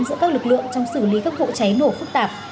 giữa các lực lượng trong xử lý các vụ cháy nổ phức tạp